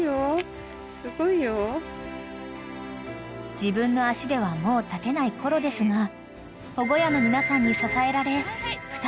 ［自分の足ではもう立てないコロですが保護家の皆さんに支えられ］